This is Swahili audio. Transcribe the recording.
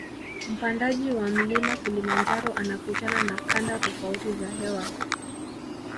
Mpandaji wa mlima kilimanjaro anakutana na kanda tofauti za hewa